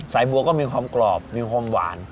บัวก็มีความกรอบมีความหวาน